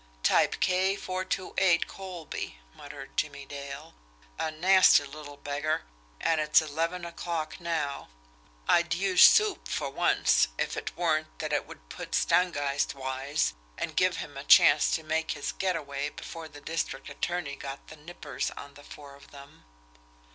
"Type K four two eight Colby," muttered Jimmie Dale. "A nasty little beggar and it's eleven o'clock now! I'd use 'soup' for once, if it weren't that it would put Stangeist wise, and give him a chance to make his get away before the district attorney got the nippers on the four of them."